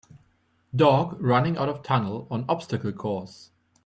Dog running out of tunnel on obstacle course